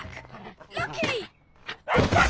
ラッキー！